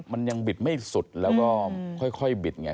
มันยังบิดไม่สุดแล้วก็ค่อยบิดไง